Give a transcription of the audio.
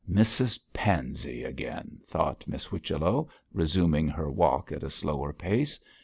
'Mrs Pansey again,' thought Miss Whichello, resuming her walk at a slower pace.